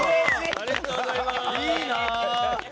ありがとうございます。